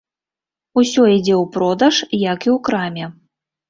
Усё ідзе ў продаж, як і ў краме.